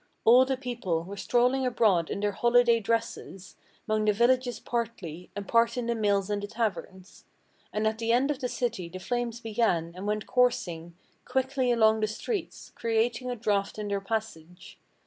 All the people were strolling abroad in their holiday dresses, 'Mong the villages partly, and part in the mills and the taverns. And at the end of the city the flames began, and went coursing Quickly along the streets, creating a draught in their passage.